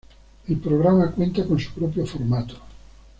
El programa cuenta con su propio formato.